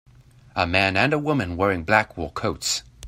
A man and a woman wearing black wool coats.